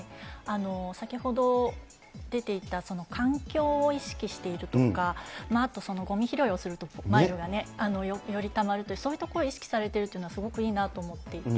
先ほど出ていた環境を意識しているとか、あとごみ拾いをするとマイルがよりたまるという、そういうところを意識されてるというのはすごくいいなと思っていて。